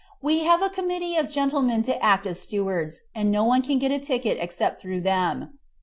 We have a committee of gentlemen to act as stewards, and no one can get a ticket except through them.